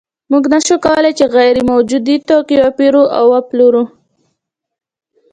موږ نشو کولی چې غیر موجود توکی وپېرو یا وپلورو